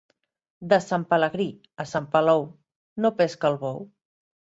De Sant Pelegrí a Sant Palou no pesca el bou.